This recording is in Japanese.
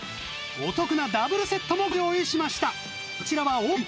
お得なダブルセットもご用意しました。